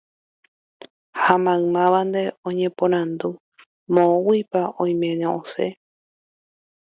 ha maymávante oñeporandu moõguipa oiméne osẽ